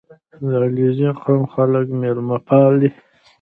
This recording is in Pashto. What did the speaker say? • د علیزي قوم خلک میلمهپال دي.